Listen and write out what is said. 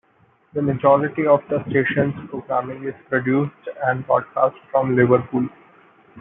The majority of the station's programming is produced and broadcast from Liverpool.